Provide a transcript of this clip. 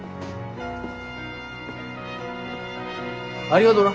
ありがどな。